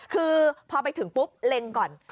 คือพอไปถึงปุ๊บเล็งก่อน